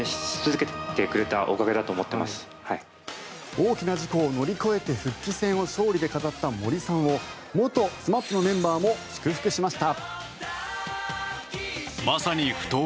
大きな事故を乗り越えて復帰戦を勝利で飾った森さんを元ＳＭＡＰのメンバーも祝福しました。